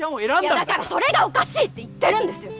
だからそれがおかしいって言ってるんです！